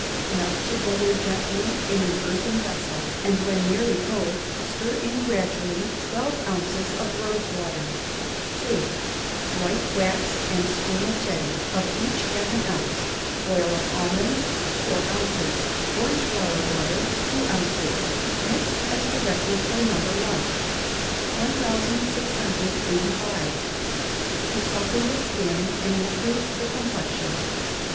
Melt together gently in an earthen vessel, and when nearly cold stir in gradually twelve ounces of rose water. ii. White wax and spermaceti, of each half an ounce; oil of almonds, four ounces; orange flower water, two ounces Mix as directed for No. i. 1685. To Soften the Skin and Improve the Complexion.